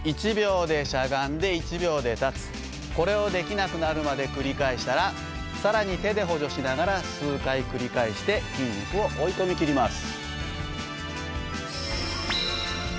これをできなくなるまで繰り返したら更に手で補助しながら数回繰り返して筋肉を追い込み切ります。